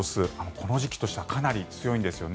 この時期としてはかなり強いんです。